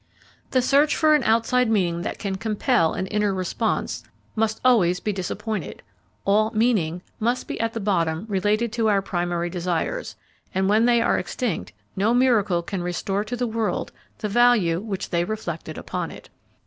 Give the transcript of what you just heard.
The search for an outside meaning that can compel an inner response must always be disappointed: all "meaning" must be at bottom related to our primary desires, and when they are extinct no miracle can restore to the world the value which they reflected upon it.